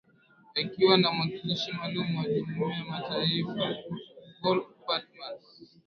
Akiwa na mwakilishi maalum wa Jumuiya ya mataifa, Volker Perthes.